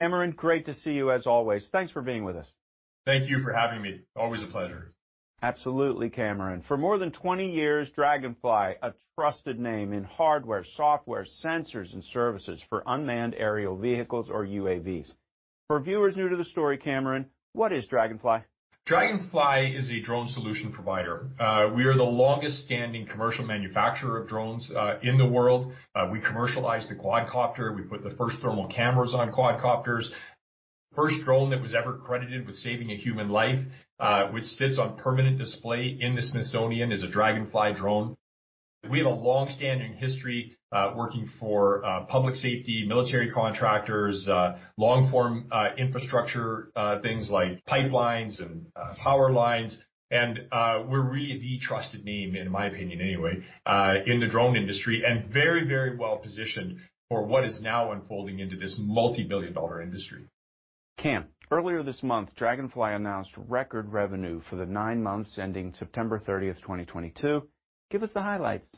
Cameron, great to see you as always. Thanks for being with us. Thank you for having me. Always a pleasure. Absolutely, Cameron. For more than 20 years, Draganfly, a trusted name in hardware, software, sensors, and services for unmanned aerial vehicles or UAVs. For viewers new to the story, Cameron, what is Draganfly? Draganfly is a drone solution provider. We are the longest-standing commercial manufacturer of drones in the world. We commercialized the quadcopter. We put the first thermal cameras on quadcopters. First drone that was ever credited with saving a human life, which sits on permanent display in the Smithsonian, is a Draganfly drone. We have a long-standing history working for public safety, military contractors, long-form infrastructure, things like pipelines and power lines. We're really the trusted name, in my opinion anyway, in the drone industry, and very, very well positioned for what is now unfolding into this multi-billion-dollar industry. Cam, earlier this month, Draganfly announced record revenue for the nine months ending September 30, 2022. Give us the highlights.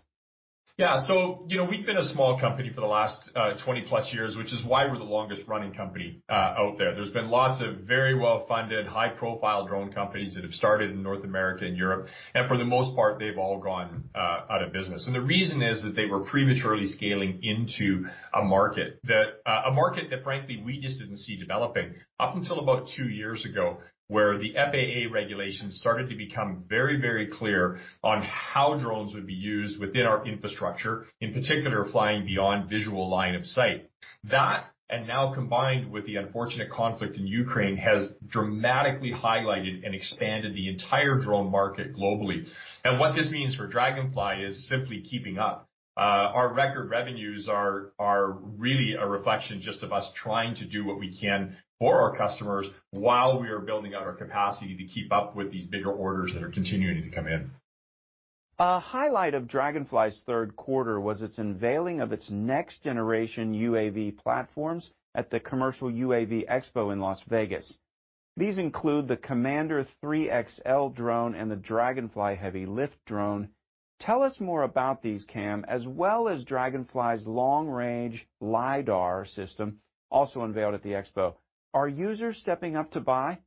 Yeah, so, you know, we've been a small company for the last 20+ years, which is why we're the longest-running company out there. There's been lots of very well-funded, high-profile drone companies that have started in North America and Europe, and for the most part, they've all gone out of business. And the reason is that they were prematurely scaling into a market that, frankly, we just didn't see developing up until about two years ago, where the FAA regulations started to become very, very clear on how drones would be used within our infrastructure, in particular, flying beyond visual line of sight. That, and now combined with the unfortunate conflict in Ukraine, has dramatically highlighted and expanded the entire drone market globally. And what this means for Draganfly is simply keeping up. Our record revenues are really a reflection just of us trying to do what we can for our customers while we are building out our capacity to keep up with these bigger orders that are continuing to come in. A highlight of Draganfly's third quarter was its unveiling of its next generation UAV platforms at the Commercial UAV Expo in Las Vegas. These include the Commander 3 XL drone and the Draganfly Heavy Lift Drone. Tell us more about these, Cam, as well as Draganfly's Long Range LiDAR system, also unveiled at the expo. Are users stepping up to buy?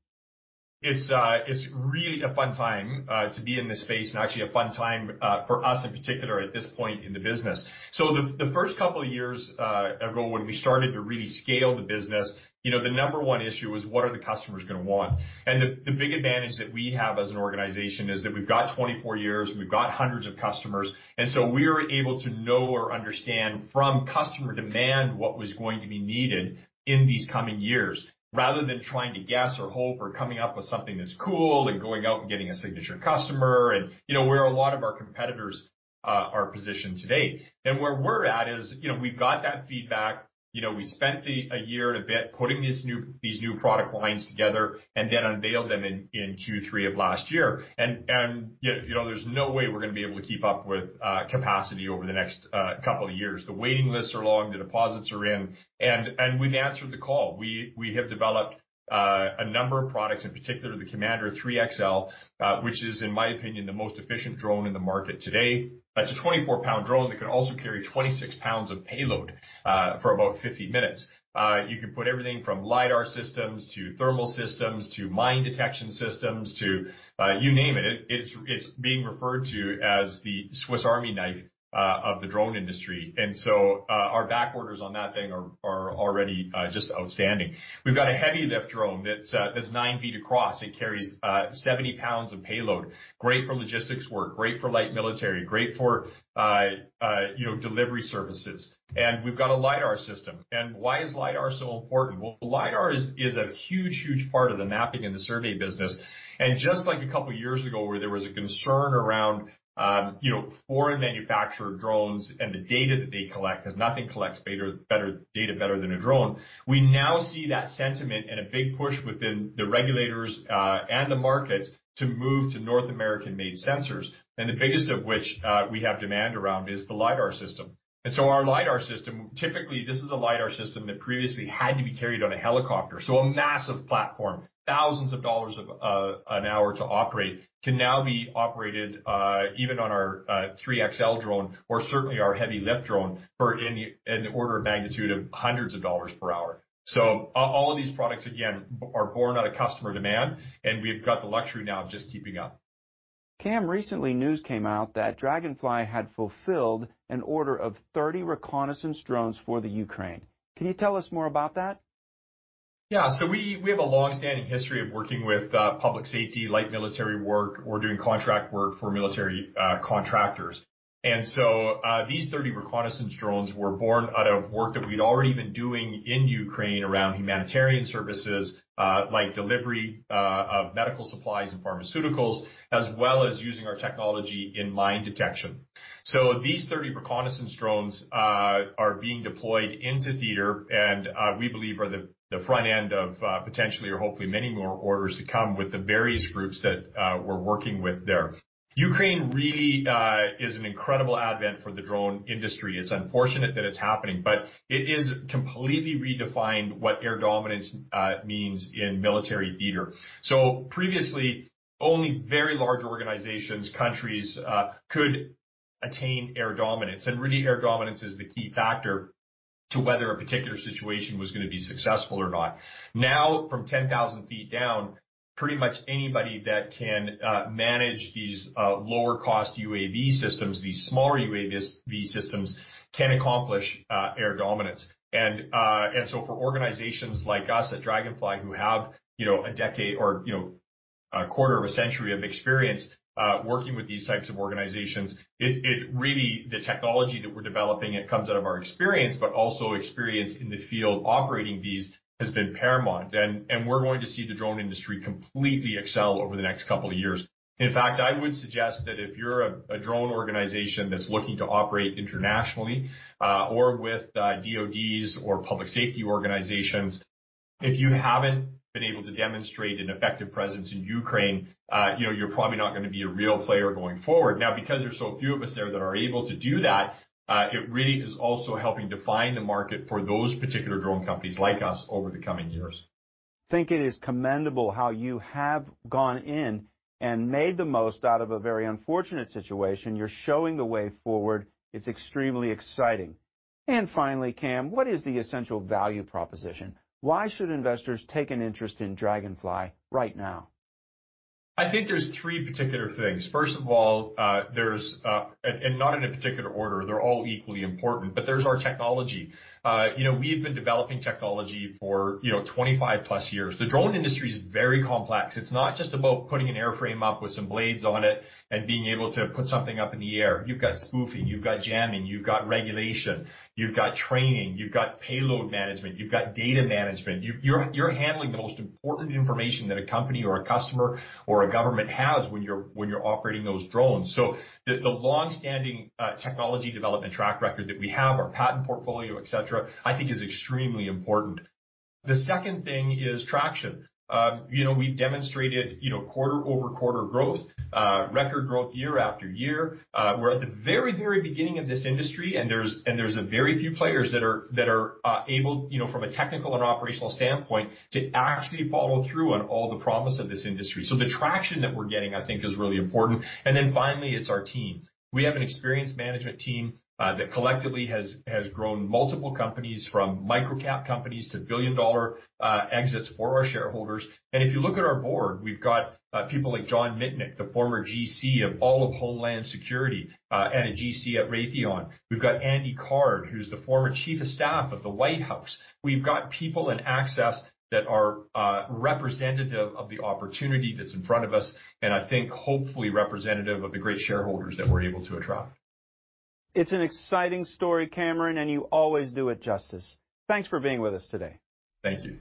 It's, it's really a fun time, to be in this space, and actually a fun time, for us, in particular, at this point in the business. So the, the first couple of years, ago, when we started to really scale the business, you know, the number one issue was: What are the customers gonna want? And the, the big advantage that we have as an organization is that we've got 24 years, and we've got hundreds of customers, and so we were able to know or understand from customer demand what was going to be needed in these coming years, rather than trying to guess or hope or coming up with something that's cool and going out and getting a signature customer, and, you know, where a lot of our competitors, are positioned today. And where we're at is, you know, we've got that feedback. You know, we spent a year and a bit putting these new product lines together and then unveiled them in Q3 of last year. And you know, there's no way we're gonna be able to keep up with capacity over the next couple of years. The waiting lists are long, the deposits are in, and we've answered the call. We have developed a number of products, in particular, the Commander 3 XL, which is, in my opinion, the most efficient drone in the market today. That's a 24 lbs drone that can also carry 26 lbs of payload for about 50 minutes. You can put everything from LiDAR systems to thermal systems to mine detection systems to you name it. It's being referred to as the Swiss Army knife of the drone industry. And so, our back orders on that thing are already just outstanding. We've got a heavy-lift drone that's nine feet across and carries 70 lbs of payload. Great for logistics work, great for light military, great for, you know, delivery services. And we've got a LiDAR system. And why is LiDAR so important? Well, LiDAR is a huge, huge part of the mapping and the survey business. And just like a couple of years ago, where there was a concern around, you know, foreign manufacturer drones and the data that they collect, because nothing collects better data better than a drone, we now see that sentiment and a big push within the regulators and the markets to move to North American-made sensors, and the biggest of which we have demand around is the LiDAR system. And so our LiDAR system, typically, this is a LiDAR system that previously had to be carried on a helicopter, so a massive platform, thousands of dollars an hour to operate, can now be operated even on our 3 XL drone or certainly our heavy-lift drone for any, in the order of magnitude of hundreds of dollars per hour. So all of these products, again, are born out of customer demand, and we've got the luxury now of just keeping up. Cam, recently, news came out that Draganfly had fulfilled an order of 30 reconnaissance drones for Ukraine. Can you tell us more about that? Yeah, so we have a long-standing history of working with public safety, light military work. We're doing contract work for military contractors. And so, these 30 reconnaissance drones were born out of work that we'd already been doing in Ukraine around humanitarian services, like delivery of medical supplies and pharmaceuticals, as well as using our technology in mine detection. So these 30 reconnaissance drones are being deployed into theater and, we believe are the front end of, potentially or hopefully many more orders to come with the various groups that, we're working with there. Ukraine really is an incredible advent for the drone industry. It's unfortunate that it's happening, but it has completely redefined what air dominance means in military theater. So previously, only very large organizations, countries, could-... attain air dominance, and really air dominance is the key factor to whether a particular situation was gonna be successful or not. Now, from 10,000 ft down, pretty much anybody that can manage these lower-cost UAV systems, these smaller UAV systems, can accomplish air dominance. And so for organizations like us at Draganfly, who have, you know, a decade or, you know, a quarter of a century of experience working with these types of organizations, it really, the technology that we're developing, it comes out of our experience, but also experience in the field operating these, has been paramount. And we're going to see the drone industry completely excel over the next couple of years. In fact, I would suggest that if you're a drone organization that's looking to operate internationally, or with DoDs or public safety organizations, if you haven't been able to demonstrate an effective presence in Ukraine, you know, you're probably not gonna be a real player going forward. Now, because there's so few of us there that are able to do that, it really is also helping define the market for those particular drone companies, like us, over the coming years. I think it is commendable how you have gone in and made the most out of a very unfortunate situation. You're showing the way forward. It's extremely exciting. And finally, Cam, what is the essential value proposition? Why should investors take an interest in Draganfly right now? I think there's three particular things. First of all, there's... And not in a particular order, they're all equally important, but there's our technology. You know, we have been developing technology for, you know, 25+ years. The drone industry is very complex. It's not just about putting an airframe up with some blades on it and being able to put something up in the air. You've got spoofing, you've got jamming, you've got regulation, you've got training, you've got payload management, you've got data management. You, you're handling the most important information that a company or a customer or a government has when you're operating those drones. So the longstanding technology development track record that we have, our patent portfolio, et cetera, I think is extremely important. The second thing is traction. You know, we've demonstrated, you know, quarter-over-quarter growth, record growth year after year. We're at the very, very beginning of this industry, and there's a very few players that are able, you know, from a technical and operational standpoint, to actually follow through on all the promise of this industry. So the traction that we're getting, I think, is really important. And then finally, it's our team. We have an experienced management team that collectively has grown multiple companies, from microcap companies to billion-dollar exits for our shareholders. And if you look at our board, we've got people like John Mitnick, the former GC of all of Homeland Security, and a GC at Raytheon. We've got Andy Card, who's the former Chief of Staff of the White House. We've got people and access that are representative of the opportunity that's in front of us, and I think hopefully representative of the great shareholders that we're able to attract. It's an exciting story, Cameron, and you always do it justice. Thanks for being with us today. Thank you.